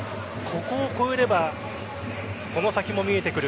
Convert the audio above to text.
ここを越えればその先も見えてくる。